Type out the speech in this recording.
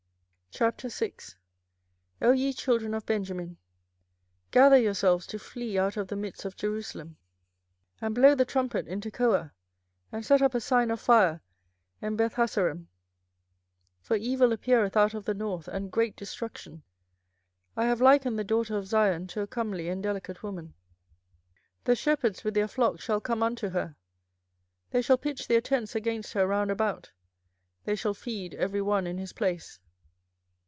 24:006:001 O ye children of Benjamin, gather yourselves to flee out of the midst of Jerusalem, and blow the trumpet in Tekoa, and set up a sign of fire in Bethhaccerem: for evil appeareth out of the north, and great destruction. 24:006:002 I have likened the daughter of Zion to a comely and delicate woman. 24:006:003 The shepherds with their flocks shall come unto her; they shall pitch their tents against her round about; they shall feed every one in his place.